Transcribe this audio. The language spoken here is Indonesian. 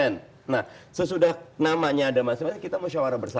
nah sesudah namanya ada masing masing kita musyawarah bersama